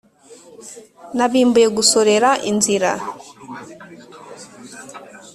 Nabimbuye gusorera inzira !